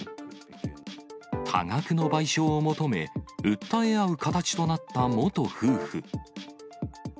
多額の賠償を求め、訴え合う形となった元夫婦。